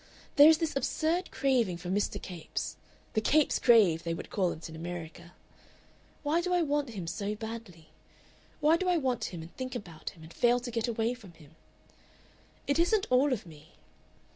"There is this absurd craving for Mr. Capes the 'Capes crave,' they would call it in America. Why do I want him so badly? Why do I want him, and think about him, and fail to get away from him? "It isn't all of me.